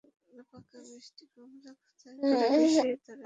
পাকা মিষ্টিকুমড়া খোদাই করে বিশেষ ধরনের বাতি জ্বালানোর রীতি আছে তাদের।